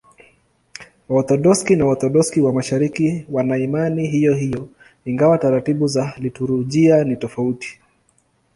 Waorthodoksi na Waorthodoksi wa Mashariki wana imani hiyohiyo, ingawa taratibu za liturujia ni tofauti.